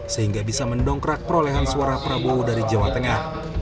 sehingga bisa mendongkrak perolehan suara prabowo dari jawa tengah